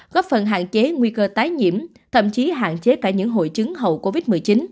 góp phần hạn chế nguy cơ tái nhiễm thậm chí hạn chế cả những hội chứng hậu covid một mươi chín